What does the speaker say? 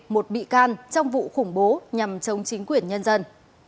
một bị can trong vụ khủng bố nhằm chống chính quyền nhân dân